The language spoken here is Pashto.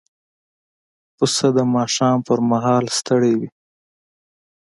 پسه د ماښام پر مهال ستړی وي.